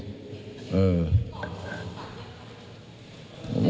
เออ